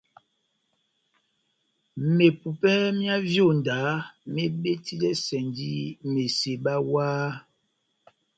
Mepupè myá vyonda mebetidɛsɛndi meseba wah.